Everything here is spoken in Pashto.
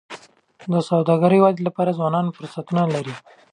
د سوداګری د ودي لپاره ځوانان فرصتونه لري.